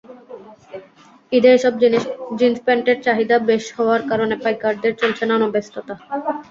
ঈদে এসব জিনস প্যান্টের চাহিদা বেশি হওয়ার কারণে পাইকারদের চলছে নানা ব্যস্ততা।